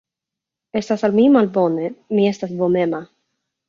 Estas al mi malbone, mi estas vomema.